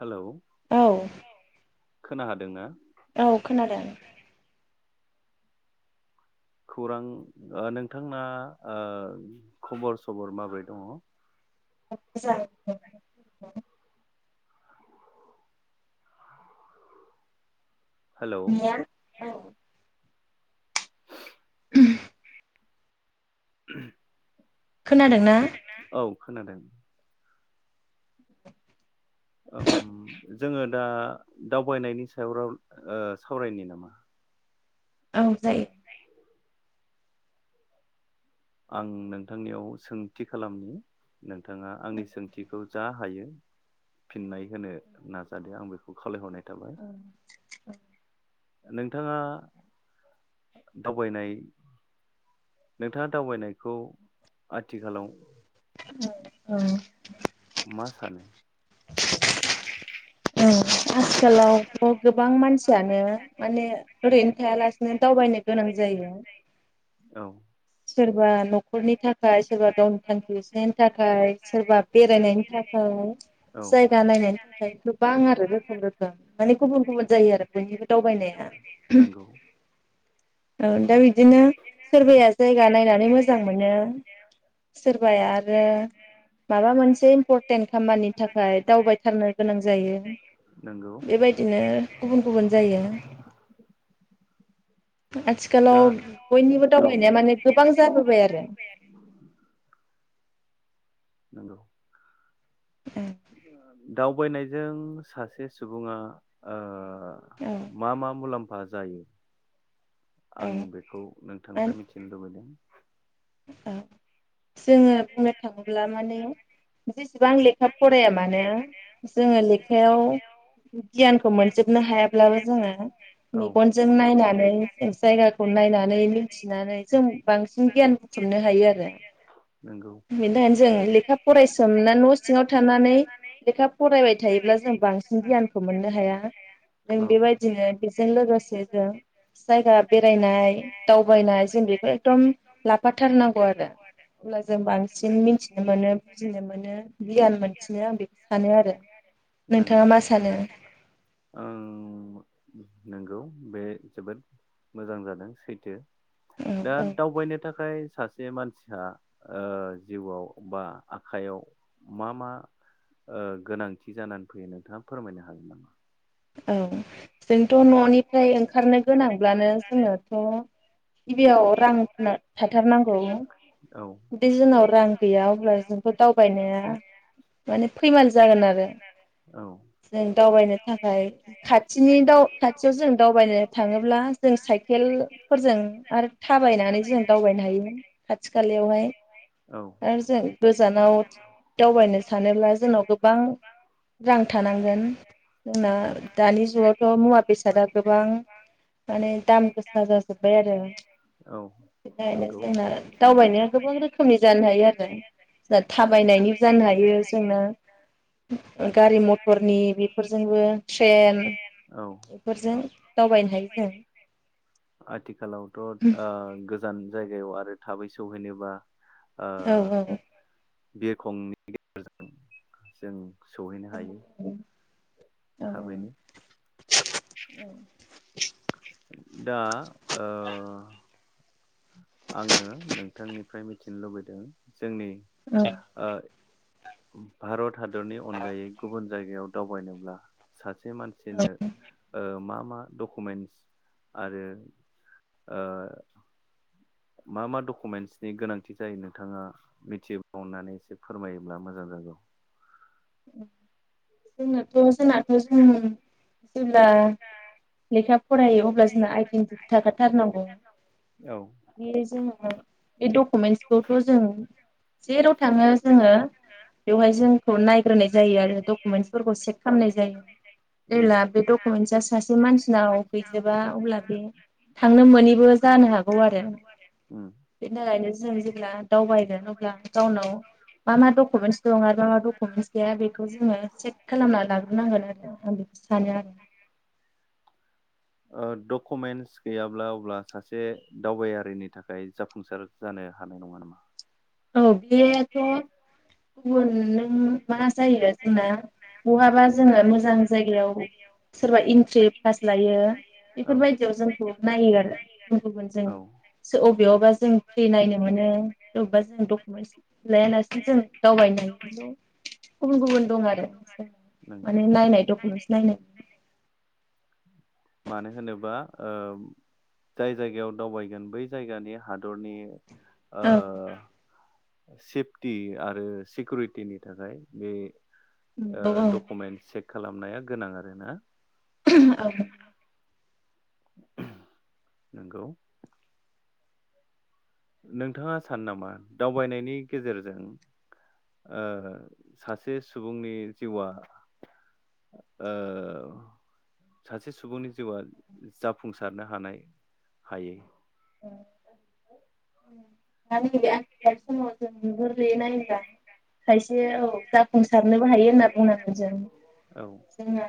हेल' औ खोन हादोंना औ खोनादों खौरां नोंथांना खबर सबर माब्रै दङ [unintelligible] हेल' औ [unintelligible] खोनादों ना खोनादों ओम जोङो दा दावबायनायनि सायाव राव ओ सावरायनि नामा? औ जायो। आं नोंथांनियाव सोंथि खालामनि नोंथाङा आंनि सोंथिखौ जा हायो फिननाय होनो नाजादो आं बेखौ खावलायहरनाय थाबाय औ नोंथाङा दावबायनाय नोंथाङा दावबायनायखौ आथिखालाव औ। मा सानो? आथिखालावथ' गोबां मानसि फोरानो माने ओरैनो थायालासिनो दावबायनो गोनां जायो। औ सोरबा न'खरनि थाखाय सोरबा गावनि थांखि होसोनायनि थाखाय सोरबा बेरायनायनि थाखाय औ जायगा नायनायनि थाखाय गोबां आरो। मानि गुबुन गुबुन जायो आरो बयनिबो दावबायनाया। नंगौ औ। दा बिदिनो सोरबाया जायगा नायनानै मोजां मोनो सोरबाया आरो माबा मोनसे इम्परटेन्ट खामानिनि थाखाय दावबायथारनो गोनां जायो। नंगौ बेबायदिनो गुबुन गुबुन जायो। आथिखालाव दा बयनिबो औ दावबायनाया माने गोबां जाबोबाय आरो। नंगौ। दाव बायनायजों सासे सुबुङा ओ औ मा मा मुलाम्फा फा जायो? औ आं बेखौ नोंथांनिफ्राय मिथिनो लुबैदों औ। जोङो बुंनो थाङोब्ला माने [inaudible] बिसेबां लेखा फराया मानो जोङो लेखायाव गियानखौ मोनजोबनो हायाब्लाबो जोङो औ मेगनजों नायनानै जायगाखौ नायनानै मिथिनानै जों बांसिन गियान थुमनो हायो आरो नंगौ बेनि थाखायनो जों लेखा फरायसोमनानल' सिङाव थानानै लेखा फरायबाय थायोब्ला जों बांसिन गियानखौ मोननो हाया जों औ बेबायदिनो बेजों लोगोसे जों जायगा बेरायनाय दावबायनाय जों बेखौ एकदम ला फाथारनांगौ आरो अब्ला जों बांसिन मिनथिनो मोनो बुजिनो मोनो। गियान मोनफिनो आं बेखौ सानो आरो नोंथाङा नंगौ मा सानो? नोंगौ बे जोबोद मोजां जादों सैथो। औ दा औ दावबायनो थाखाय सा से मानसिया ओ जिउआव बा आखाइयाव मा मा ओ गोनांथि जानानै फैयो नोंथाङा फोरमायनो हागोन नामा? औ। जोंथ' न'निफ्राय ओंखारनो गोनांब्लानो जोंनोथ' गिबियाव रां ना थाथारनांगौ औ जुदि जोंनाव रां गैया अब्ला जोंथ' दावबायनाया माने फैमाल जागोन आरो औ जों दावबायनो। थाखाय खाथिनि। दाव खाथियाव जों दावबायनो थाङोब्ला जों साइकेलफोरजों आरो थाबायनानै जों दावबायनो हायो खाथि खालायावहाय औ आरो जों गोजानाव दावबायनो सानोब्ला जोंनाव गोबां रां थानांगोन। जोंना दानि जुगावथ'। मुवा बेसादा गोबां माने दाम गोसा जाजोबबाय आरो औ नंगौ जोंना दावबायनाया गोबां रोखोमनि जानो हायो आरो थाबायनायनि जानो हायो जोंनो गारि मथरनि बे फोरजोंबो ट्रेन। औ बेफोरजों दावबायनो हायो जों आथिखालावथ' ओ गोजान जायगायाव आरो थाबै सौहैनोबा। ओ। औ बिरखंनि गेजेरजों जों। सौहैनो हायो। औ थाबैनो। [inaudible] दा। ओ। आङो नोंथांनिफ्राय मिथिनो लुबैदों। जोंनि औ ओ। भारत। हादरनि अनगायै गुबुन। जायगायाव दावबायनोब्ला सा से औ मानसिनो ओ मा मा डकुमेन्स आरो ओ मा मा डकुमेन्टसनि गोनांथि जायो नोंथाङा मिथियोबा अननानै एसे फोरमायोब्ला मोजां जागौ। जोंनाथ' जोंनाथ' जों जेब्ला लेखा फरायो अब्ला जोंना आइडेन्टि थाखाथारनांगौ। औ बे जों बे डकुमेन्टसखौथ' जों जेराव थाङो जोङो बेवहाय जोंखौ नाय ग्रोनाय जायो आरो [unintelligible] डकुमेन्टसफोरखौ चेक खालामनाय जायो उम जेब्ला बे डकुमेन्टस सासे मानसिनाव गैजोबा अब्ला बे थांनो मोनिबो जानो हागौ आरो उम बेनि थाखायनो जों जेब्ला दावबायगोन अब्ला गावनाव मा मा डकुमेन्टस दं आरो मा मा डकुमेन्टस गैया बे खौ जोङो चेक खालामना लाग्रोनांगोन आरो आं बेखौ सानो आरो। डकुमेन्टस गैयाब्ला अब्ला सासे दावबायारिनि थाखाय जाफुंसार जानो हानाय नङा नामा? औ बेथ' गुबुन नों मा जायो जोंना। बहाबा जोङो मोजां जायगायाव सोरबा एन्ट्रि पास लायो औ बेफोरबायदियाव जोंखौ नायो आरो गुबुन गुबुन औ जों बबेयावबा जों फ्रि नायनो मोनो बबेबा डकुमेन्ट्स लायालासिनो जों दावबायनायल' गुबुन गुबुन दं आरो नंगौ माने नायनाय डकुमेन्टस नायनाय मानो होनोबा ओ जाय जायगायाव दावबायगोन बै जायगानि हादरनि ओ औ सेफटि आरो सिकिउरिटिनि थाखाय बे ओ डकुमेन्ट चेक खालामनाया गोनां आरोना। औ। नोंगौ। नोंथाङा सानो नामा दावबायनायनि गेजेरजों ओ सासे सुबुंनि जिउआ ओ सासे सुबुंनि जिउआ जाफुंसारनो हानाय हायो? [inaudible] [inaudible] दानि मुगाया सब समय जों नुहुरो रैयै नायाबा खायसे औ जाफुंसारनोबो हायो होनना बुंनांगोन जों। औ जोङो।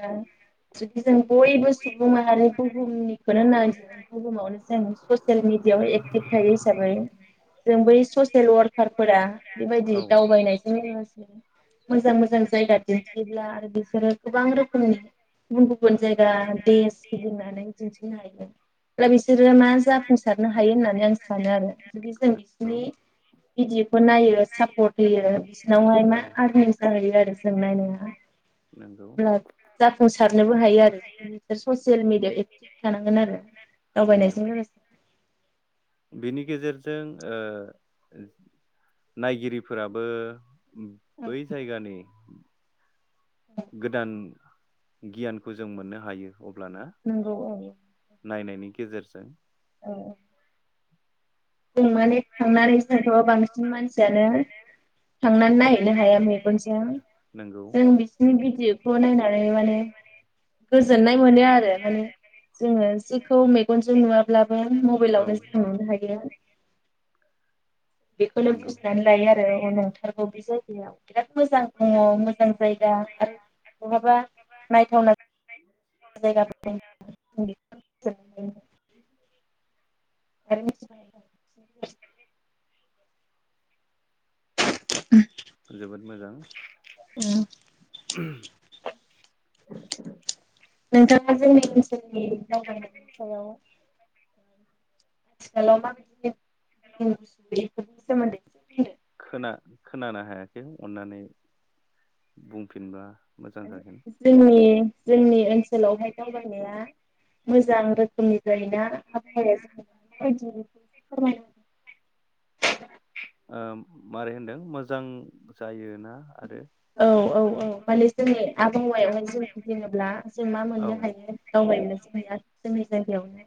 जदि जों बयबो सुबुं माहारि बुहुमनिखौनो होननाय बुहुमावनो जों ससियेल मिडियायाव एक्टिभ थायो हिसा जों बै ससियेल वार्क कारफोरा बेबायदि औ दावबायनायजों लोगोसेनो मोजां मोजां जायगा दिन्थियोब्ला आरो बिसोरो गोबां रोखोमनि गुबुन गुबुन जायगा देश गिदिंनानै दिन्थिनो हायो अब्ला बिसोरो मा जाफुंसारनो हायो होननानै आं सानो आरो जुदि जों नंगौ बिसोरनि भिडिअ'खौ नायो सापर्ट होयो बिसोरनावहाय मा औ आर्निं जाहैयो आरो जों नायनाया नंगौ अब्ला जाफुंसारनायाव हायो आरो इनिफ्राय ससियेल मिडिया एक्टिभ थानांगोन आरो दावबायनायजों लोगोसे। बिनि गेजेरजों ओ नायगिरिफोराबो बै जायगानि गोदान गियानखौ जों मोननो हायो। अब्लाना नंगौ औ। नायनायनि गेजेरजों औ। जों माने थांनानै जों थ' बांसिन मानसियानो थांनानै नायहैनो हाया मेगनजों नंगौ जों बिसिनि भिडिअ'खौ नायनानै माने गोजोननाय मोनो आरो माने जोङो जिखौ मेगनजों नुवाब्लाबो औ मबाइलावनो जों नुनो हायो। बेखौनो नंगौ बुजिनानै लायो आरो अ नंथारगौ बे जाय [unintelligible] मोजां दङ मोजां जायगा आरो बहाबा नायथावना जायगा [unintelligible] [unintelligible] जोबोद मोजां। [unintelligible] नोंथाङा जोंनि ओनसोलनि दावबायनायनि सायाव [unintelligible] [unintelligible] सोमोनदै एसे बुंदों। खोना खोनानो हायाखै अन्नानै बुंफिनबा मोजां जागोन जोंनि -जोंनि ओनसोलावहाय दावबायनाया मोजां रोखोम रोखोमनि जायोना [unintelligible] फोरमाय मारै होनदों मोजां जायो। ना आरो औ औ औ माने जोंनि आबहायावहाय जों जेनेब्ला जों मा औ मोननो हायो [unintelligible] [unintelligible]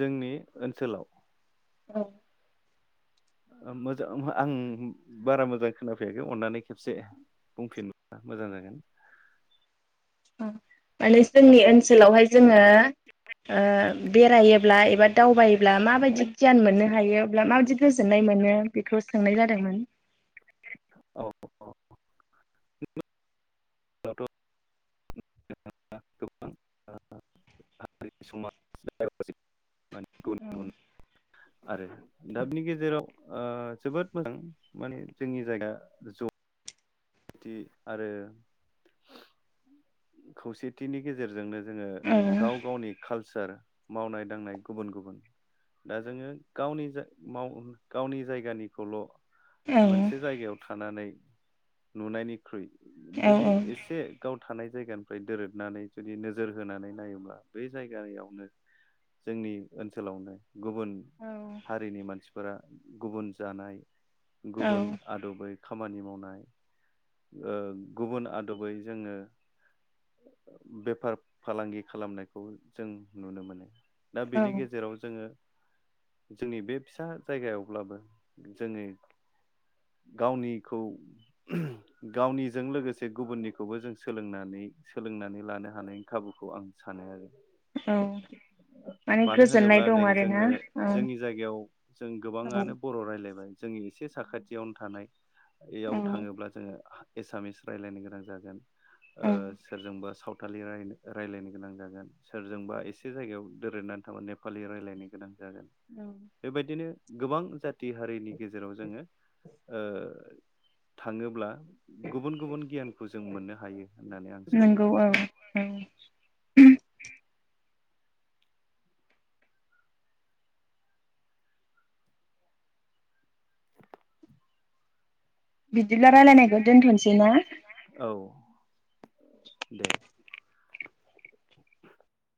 जोंनि ओनसोलाव औ। मोजां आं बारा मोजां खोनाफैयाखै अननानै खेबसे बुंफिनबा मोजां जागोन। माने जोंनि ओनसोलावहाय जोङो ओ बेरायोब्ला एबा दावबायोब्ला माबायदि गियान मोननो हायो अब्ला माबायदि गोजोननाय मोनो बेखौ सोंनाय जादोंमोन। औ [unintelligible] [unintelligible] माने गुबुन औ गुबुन आरो दाबनि गेजेराव ओ जोबोद मोजां माने जोंनि जायगा ज' आरो खौसेथिनि गेजेरजोंनो जोङो औ गाव गावनि कालसार मावनाय दांनाय गुबुन गुबुन दा जोङो गावनि-गाव गावनि जायगानिखौल' औ मोनसे जायगायाव थानानै नुनायनिख्रुइ जुदि एसे गाव थानाय जायगानिफ्राय दोरोदनानै जुदि नोजोर होनानै नायोब्ला बे जायगायावनो जोंनि ओनसोलावनो गुबुन हारिनि मानसि फोरा गुबुन जानाय औ गुबुन आदबै खामानि मावनाय ओ गुबुन आदबै जोङो बेफार फालांगि खालामनायखौ जों नुनो मोनो। दा औ बेनि गेजेराव जोङो जोंनि बे फिसा जायगायावब्लाबो जोङो गावनिखौ गावनिजों लोगोसे गुबुननिखौबो जों सोलोंनानै सोलोंनानै लानो हानायनि खाबुखौ आं सानो औ आरो माने मानो गोजोननाय होनोब्ला दं नै आरोना जोङो औ जोंनि जायगायाव जों औ गोबाङानो बर' रायलायबाय जोंनि एसे साखाथियावनो थानाय। ए आव औ थाङोब्ला जोङो हा एसामिस रायलायनो गोनां जागोन। ओ औ सोरजोंबा सावथ थालि रायनो रायलायनो गोनां जागोन सोरजोंबा एसे जायगायाव दोरोदनानै थाबा नेपालि रायलायनो गोनां। जागोन बेबायदिनो गोबां जाथि हारिनि गेजेराव जोङो ओ थाङोब्ला गुबुन गुबुन गियानखौ जों मोननो हायो होननानै आं सानो। नंगौ औ औ बिदिब्ला रायलायनायखौ दोन्थ'सै ना। औ दे।